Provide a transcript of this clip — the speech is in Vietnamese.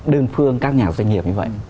đơn phương các nhà doanh nghiệp như vậy